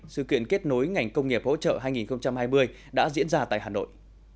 sự kiện kết nối ngành công nghiệp hỗ trợ hai nghìn hai mươi đã diễn ra tại hà nội